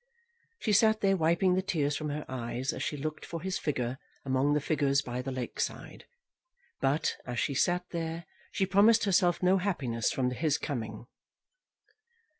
She sat there wiping the tears from her eyes as she looked for his figure among the figures by the lake side; but, as she sat there, she promised herself no happiness from his coming.